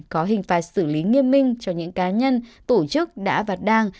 có hình phạt xử lý nghiêm minh cho những cá nhân tổ chức đã vặt đàng